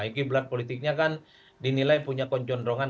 ini belakang politiknya kan dinilai punya konjondrongan